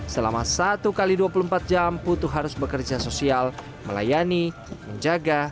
selama satu x dua puluh empat jam putu harus bekerja sosial melayani menjaga